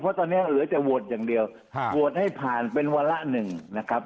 เพราะตอนนี้เหลือจะโหวตอย่างเดียวโหวตให้ผ่านเป็นวาระหนึ่งนะครับ